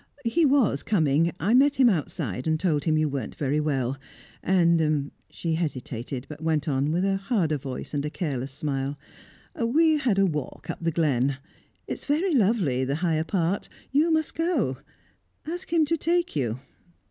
"He was coming; I met him outside, and told him you weren't very well. And" she hesitated, but went on with a harder voice and a careless smile "we had a walk up the glen. It's very lovely, the higher part. You must go. Ask him to take you."